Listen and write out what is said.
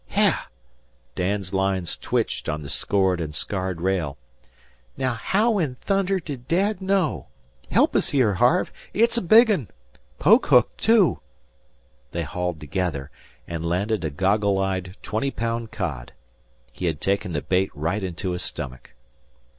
"Heugh!" Dan's lines twitched on the scored and scarred rail. "Now haow in thunder did Dad know? Help us here, Harve. It's a big un. Poke hooked, too." They hauled together, and landed a goggle eyed twenty pound cod. He had taken the bait right into his stomach.